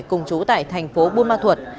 cùng chú tại thành phố buôn ma thuật